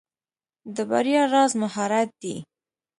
د بریا راز مهارت دی.